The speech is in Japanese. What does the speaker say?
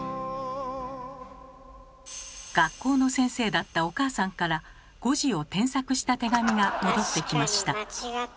学校の先生だったお母さんから誤字を添削した手紙が戻ってきました。